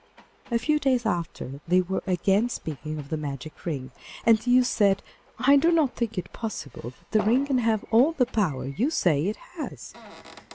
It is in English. A few days after they were again speaking of the magic ring, and the youth said, 'I do not think it possible that the ring can have all the power you say it has.